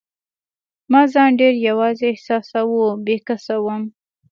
ما ځان ډېر یوازي احساساوه، بې کسه وم.